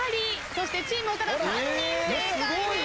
そしてチーム岡田３人正解です。